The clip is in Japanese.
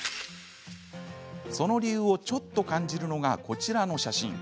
その理由をちょっと感じるのがこちらの写真。